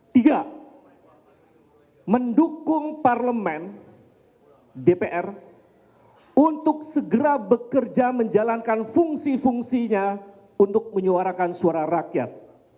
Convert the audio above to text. tiga mendukung parlemen dpr untuk segera bekerja menjalankan fungsi fungsinya untuk menyuarakan suara rakyat